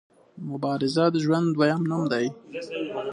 مبارزه د ژوند دویم نوم دی.